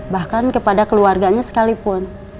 bahkan kepada keluarganya sekalipun